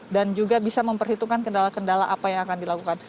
dan juga bisa memperhitungkan kendala kendala apa yang akan dilakukan